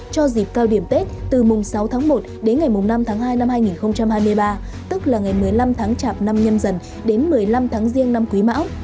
cho dịp cao điểm tết từ mùng sáu tháng một đến ngày năm tháng hai năm hai nghìn hai mươi ba tức là ngày một mươi năm tháng chạp năm nhâm dần đến một mươi năm tháng riêng năm quý mão